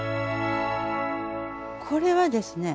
これはですね